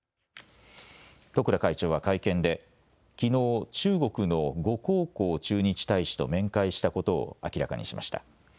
十倉会長は会見で、きのう中国の呉江浩駐日大使と面会したことを明らかにしました。